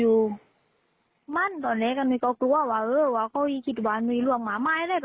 รู้สึกว่า